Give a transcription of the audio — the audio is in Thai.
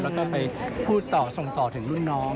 แล้วก็ไปพูดต่อส่งต่อถึงรุ่นน้อง